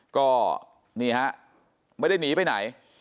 ก็นี่ฮะไม่ได้หนีไปไหน